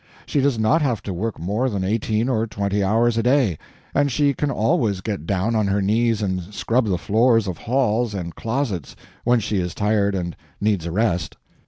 She does not have to work more than eighteen or twenty hours a day, and she can always get down on her knees and scrub the floors of halls and closets when she is tired and needs a rest.